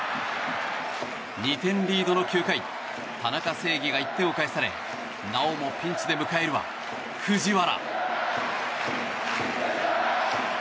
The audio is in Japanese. ２点リードの９回田中正義が１点を返されなおもピンチで迎えるは藤原。